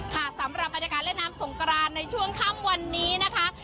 ค่ะสำหรับบรรยากาศเล่นน้ำสงกรานในช่วงค่ำวันนี้นะคะ